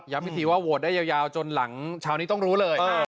พิธีว่าโหวตได้ยาวจนหลังเช้านี้ต้องรู้เลย